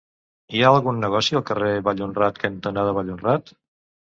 Hi ha algun negoci al carrer Vallhonrat cantonada Vallhonrat?